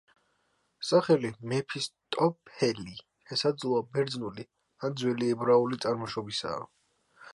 სახელი მეფისტოფელი შესაძლოა ბერძნული, ან ძველი ებრაული წარმოშობისაა.